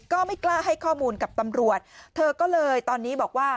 ก็ไม่กล้าให้ข้อมูลกับตำรวจเธอก็เลยตอนนี้บอกว่า